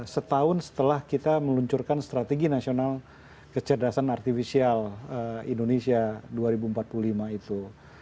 setahun setelah kita meluncurkan strategi nasional kecerdasan artifisial indonesia dua ribu empat puluh lima itu